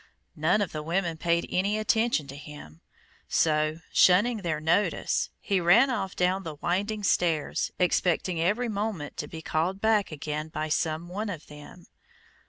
None of the women paid any attention to him; so, shunning their notice, he ran off down the winding stairs, expecting every moment to be called back again by some one of them.